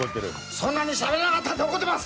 そんなにしゃべれなかったんで怒ってます！